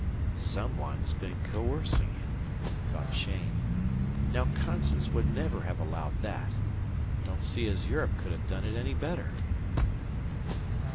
"Some one's been coercing him," thought Cheyne. "Now Constance would never have allowed that. Don't see as Europe could have done it any better."